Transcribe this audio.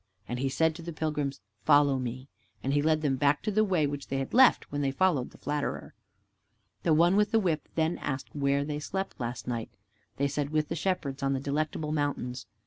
And he said to the pilgrims, "Follow me," and he led them back to the way which they had left when they followed the Flatterer. The one with the whip then asked them where they slept last night. They said, "With the Shepherds on the Delectable Mountains."